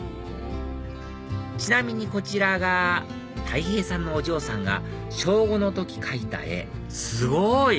ちなみにこちらがたい平さんのお嬢さんが小５の時描いた絵すごい！